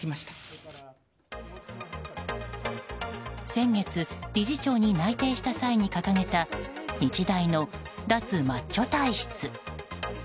先月理事長に内定した際に掲げた日大の脱マッチョ体質。